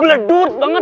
bela dirt banget